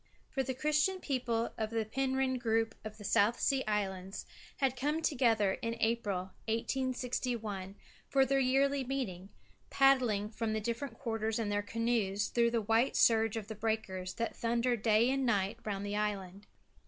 For the Christian people of the Penrhyn group of South Sea Islands had come together in April, 1861, for their yearly meeting, paddling from the different quarters in their canoes through the white surge of the breakers that thunder day and night round the island.